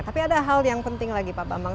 tapi ada hal yang penting lagi pak bambang